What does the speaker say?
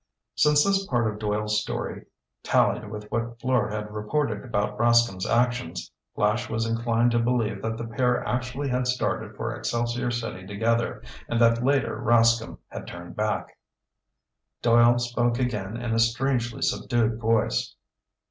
Since this part of Doyle's story tallied with what Fleur had reported about Rascomb's actions, Flash was inclined to believe that the pair actually had started for Excelsior City together, and that later Rascomb had turned back. Doyle spoke again in a strangely subdued voice.